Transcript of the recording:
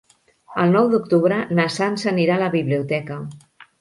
El nou d'octubre na Sança anirà a la biblioteca.